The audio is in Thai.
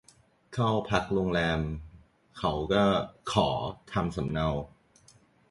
เข้าพักโรงแรมเขาก็ขอทำสำเนา